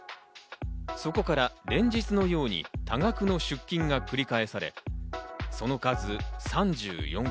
そこから連日のように多額の出金が繰り返され、その数、３４回。